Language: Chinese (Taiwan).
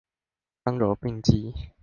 剛柔並濟